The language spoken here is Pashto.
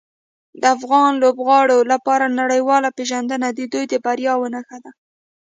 د افغان لوبغاړو لپاره نړیواله پیژندنه د دوی د بریاوو نښه ده.